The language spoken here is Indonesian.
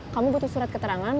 kamu butuh surat keterangan